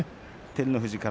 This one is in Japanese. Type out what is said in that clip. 照ノ富士が。